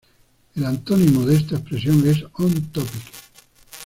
El antónimo de esta expresión es on-topic.